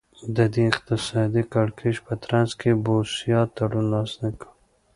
د دې اقتصادي کړکېچ په ترڅ کې بوسیا تړون لاسلیک کړ.